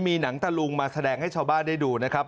มีหนังตะลุงมาแสดงให้ชาวบ้านได้ดูนะครับ